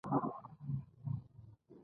کله چې څلور سپوږمۍ پوره شي.